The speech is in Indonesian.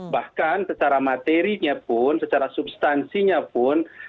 bahkan secara materinya pun secara substansinya pun